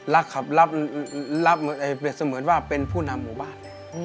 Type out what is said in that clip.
รักครับรับเหมือนว่าเป็นผู้นำหมู่บ้าน